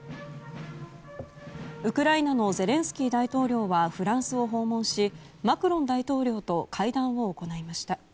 ウクライナのゼレンスキー大統領はフランスを訪問しマクロン大統領と会談を行いました。